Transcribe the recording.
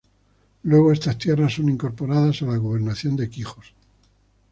Luego, estas tierras son incorporadas a la Gobernación de Quijos.